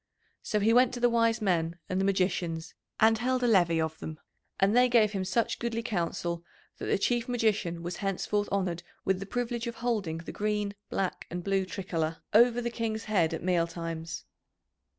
So he went to the wise men and the magicians, and held a levée of them, and they gave him such goodly counsel that the Chief Magician was henceforth honoured with the privilege of holding the Green, Black, and Blue Tricolour over the King's head at mealtimes.